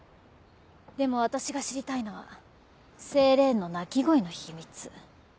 でも私が知りたいのはセイレーンの哭き声の秘密。